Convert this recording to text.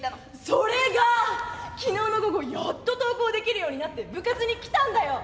それが昨日の午後やっと登校できるようになって部活に来たんだよ。